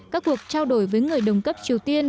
các cuộc trao đổi với người đồng cấp triều tiên